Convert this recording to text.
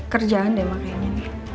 kerjaan deh mak kayaknya